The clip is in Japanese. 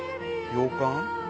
洋館？